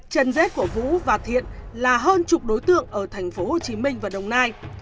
trần dết của vũ và thiện là hơn chục đối tượng ở tp hcm và đồng nai